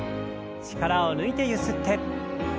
力を抜いてゆすって。